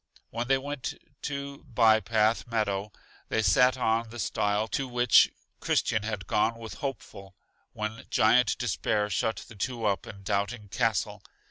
When they went to By Path Meadow they sat on the stile to which Christian had gone with Hopeful, when Giant Despair shut the two up in Doubting Castle.